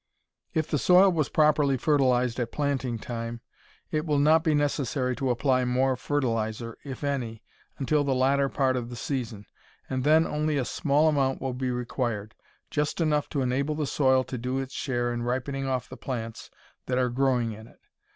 If the soil was properly fertilized at planting time it will not be necessary to apply more fertilizer, if any, until the latter part of the season, and then only a small amount will be required just enough to enable the soil to do its share in ripening off the plants that are growing in it.